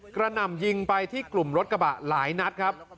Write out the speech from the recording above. หน่ำยิงไปที่กลุ่มรถกระบะหลายนัดครับ